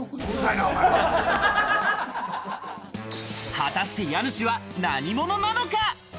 果たして家主は何者なのか？